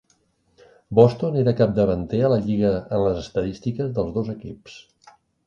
Boston era capdavanter a la lliga en les estadístiques dels dos equips.